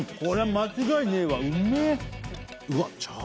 間違いねえわうめえうわっ